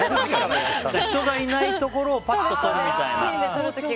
人がいないところをぱっと撮るみたいな。